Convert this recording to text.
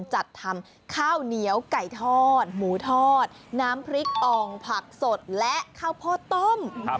จัดทำข้าวเหนียวไก่ทอดหมูทอดน้ำพริกอ่องผักสดและข้าวโพดต้ม